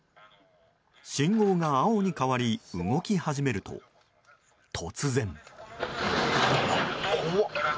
信号が青に変わり動き始めると突然。